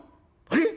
あれ？